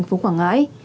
ở quảng ngãi